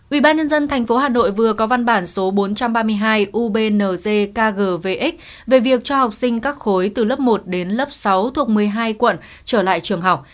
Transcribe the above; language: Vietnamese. ủy ban nhân dân tp hà nội vừa có văn bản số bốn trăm ba mươi hai ubnzkgvx về việc cho học sinh các khối từ lớp một đến lớp sáu thuộc một mươi hai quận trở lại trường học